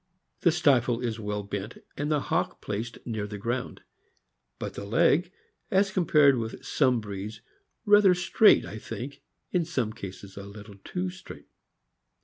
The stifle is well bent, and the hock placed near the ground; but the leg, as compared with some breeds, rather straight — I think, in some cases, a little too straight.